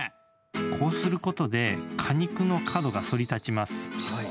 こうすることで果肉の角が反りたちます。